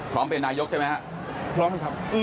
พร้อมเป็นนายกใช่ไหมครับพร้อมไหมครับ